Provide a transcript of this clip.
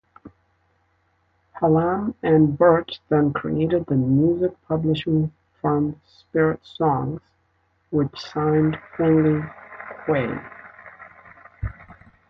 Hallam and Birch then created the music-publishing firm Spirit Songs, which signed Finley Quaye.